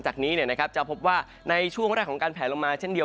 จากนี้จะพบว่าในช่วงแรกของการแผลลงมาเช่นเดียว